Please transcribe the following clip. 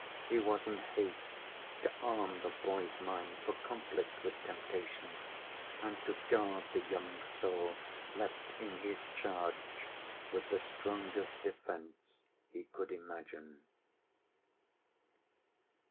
He was in haste to arm the boy's mind for conflict with temptation and to guard the young soul left in his charge with the strongest defense he could imagine.